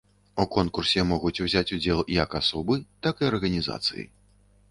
У конкурсе могуць узяць удзел як асобы, так і арганізацыі.